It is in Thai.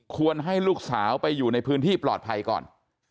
ให้ลูกสาวไปอยู่ในพื้นที่ปลอดภัยก่อน